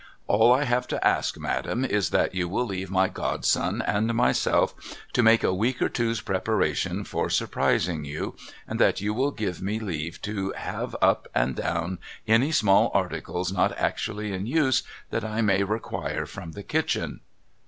All I have to ask. Madam, is that you will leave my godson and myself to make a week or two's preparations for surprising you, and that you will give me leave to have up and down any small articles not actually in use that I may require from the kitchen.'